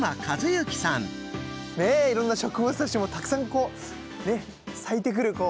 いろんな植物たちもたくさんこうね咲いてくる時期。